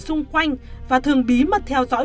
xung quanh và thường bí mật theo dõi